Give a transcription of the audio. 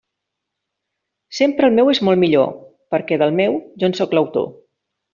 Sempre el meu és molt millor, perquè del meu jo en sóc l'autor.